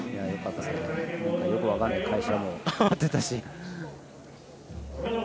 よく分からない返しの技もやってたし。